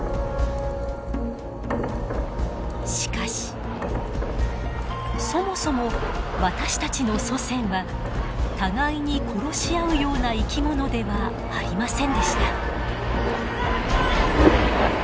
しかしそもそも私たちの祖先は互いに殺し合うような生き物ではありませんでした。